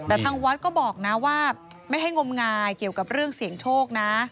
แต่ทางวัดก็บอกนะว่าไม่ให้งมงายเกี่ยวกับเรื่องเสี่ยงโชคนะ